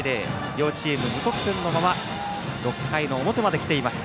両チーム、無得点のまま６回の表まで来ています。